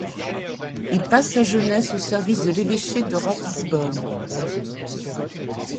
Il passe sa jeunesse au service de l’évêché de Ratisbonne.